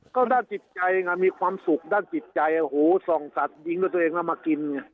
ก็ด้านจิตใจเนี่ยมีความสุขด้านจิตใจโหส่องสัตว์ยิงด้วยตัวเองมามากิน